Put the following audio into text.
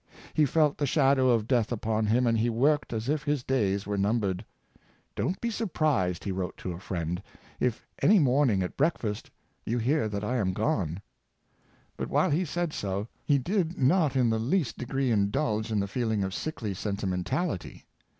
He felt the shadow of death upon him, and he worked as if his days were numbered. " Don't be surprised," he wrote to a friend, " if any morning at breakfast you hear that I am gone." But while he said so, he did not in the least degree indulge in the feeling of sickly sentimentality.